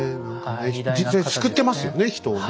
実際救ってますよね人をね。